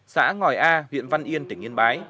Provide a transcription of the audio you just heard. xã ngòi a huyện văn yên tỉnh yên bái